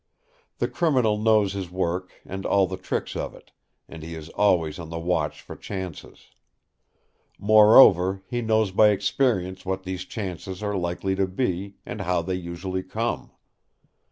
The criminal knows his work and all the tricks of it; and he is always on the watch for chances. Moreover, he knows by experience what these chances are likely to be, and how they usually come.